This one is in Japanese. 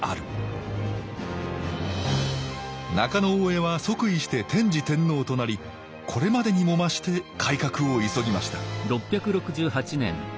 中大兄は即位して天智天皇となりこれまでにも増して改革を急ぎました